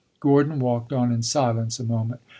Gordon walked on in silence a moment.